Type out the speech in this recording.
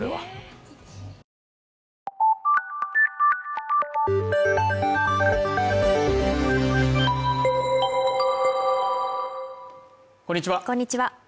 こんにちは